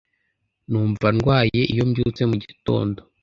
Numva ndwaye iyo mbyutse mugitondo.